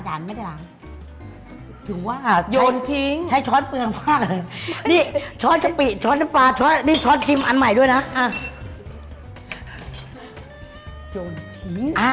จริงหรอไปทำอะไร